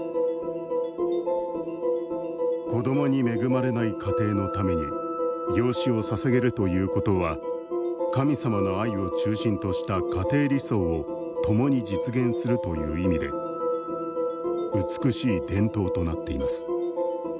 「子どもに恵まれない家庭のために養子をささげるということは神様の愛を中心とした家庭理想を共に実現するという意味で美しい伝統となっています」